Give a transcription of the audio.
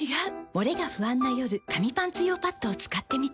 モレが不安な夜紙パンツ用パッドを使ってみた。